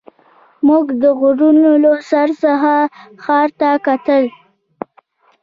موږ د غرونو له سر څخه ښار ته کتل.